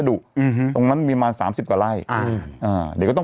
ถูกต้องถูกต้องถูกต้องถูกต้อง